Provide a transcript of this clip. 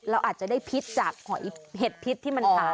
เราอาจจะได้พิษจากหอยเห็ดพิษที่มันขาย